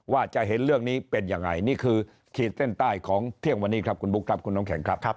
ว่าจะเห็นเรื่องนี้เป็นยังไงนี่คือขีดเส้นใต้ของเที่ยงวันนี้ครับคุณบุ๊คครับคุณน้องแข็งครับ